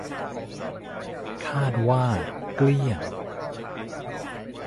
คาดว่า เกลี้ยง